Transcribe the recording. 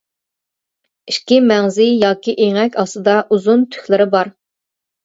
ئىككى مەڭزى ياكى ئېڭەك ئاستىدا ئۇزۇن تۈكلىرى بار.